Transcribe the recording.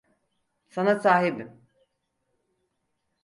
Sana sahibim.